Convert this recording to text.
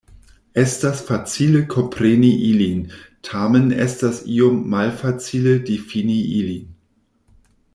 Estas facile kompreni ilin, tamen estas iom malfacile difini ilin.